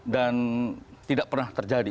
dan tidak pernah terjadi